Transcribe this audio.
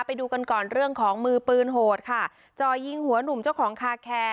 ไปดูกันก่อนเรื่องของมือปืนโหดค่ะจ่อยิงหัวหนุ่มเจ้าของคาแคร์